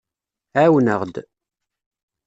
Ɛawen-aɣ-d.